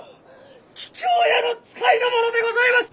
桔梗屋の使いの者でございます！